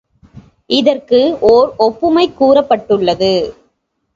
இதற்கு ஓர் ஒப்புமை கூறப்பட்டுள்ளது.